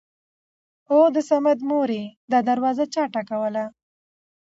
اوو د صمد مورې دا دروازه چا ټکوله!!